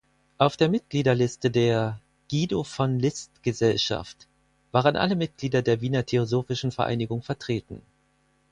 Auf der Mitgliederliste der "Guido-von-List-Gesellschaft" waren alle Mitglieder der Wiener Theosophischen Vereinigung vertreten.